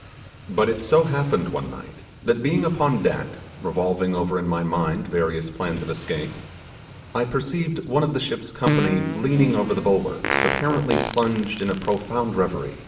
But it so happened one night, that being upon deck, revolving over in my mind various plans of escape, I perceived one of the ship's company leaning over the bulwarks, apparently plunged in a profound reverie.